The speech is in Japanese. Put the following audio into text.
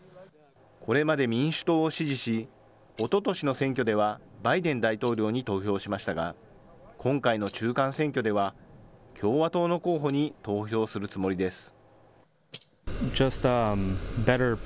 これまで民主党を支持し、おととしの選挙ではバイデン大統領に投票しましたが、今回の中間選挙では共和党の候補に投票するつもりです。